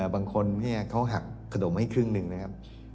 บางคนเขาหักขนมให้ครึ่งหนึ่งนะครับ